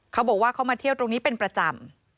เขาบอกว่าเขามาเที่ยวตรงนี้เป็นประจำ